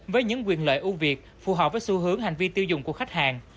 với những quyền lợi ưu việt phù hợp với xu hướng hành vi tiêu dùng của khách hàng